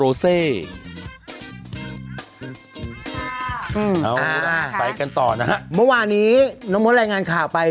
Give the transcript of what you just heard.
อืมไปกันต่อนะฮะเมื่อวานี้น้องโมทรแรงงานข่าวไป